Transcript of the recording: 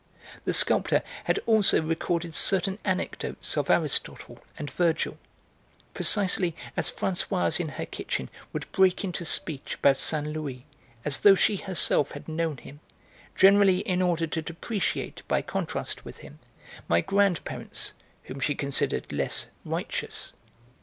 The sculptor had also recorded certain anecdotes of Aristotle and Virgil, precisely as Françoise in her kitchen would break into speech about Saint Louis as though she herself had known him, generally in order to depreciate, by contrast with him, my grandparents, whom she considered less 'righteous.'